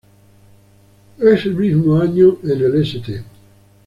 Ese mismo año, en el St.